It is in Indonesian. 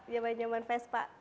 zaman zaman fes pak